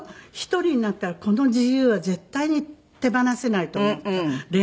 １人になったらこの自由は絶対に手放せないと思った恋愛などで。